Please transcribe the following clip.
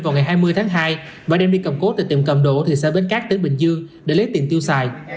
vào ngày hai mươi tháng hai và đem đi cầm cố từ tiệm cầm đổ thị xã bến cát tới bình dương để lấy tiền tiêu xài